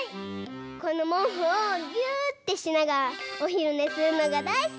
このもうふをぎゅってしながらおひるねするのがだいすき！